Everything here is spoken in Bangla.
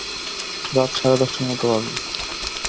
রাত সাড়ে দশটার মতো বাজে।